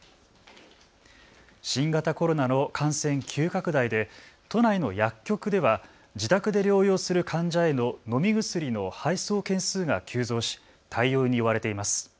新型コロナの感染急拡大で都内の薬局では自宅で療養する患者への飲み薬の配送件数が急増し対応に追われています。